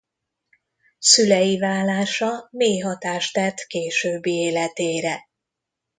Szülei válása mély hatást tett későbbi életére.